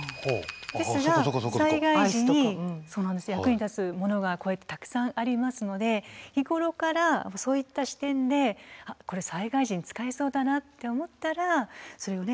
ですが災害時に役に立つものがこうやってたくさんありますので日頃からそういった視点でこれ災害時に使えそうだなって思ったらそれをね